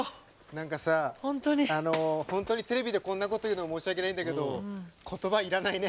何かさあの本当にテレビでこんなこと言うの申し訳ないんだけど言葉いらないね。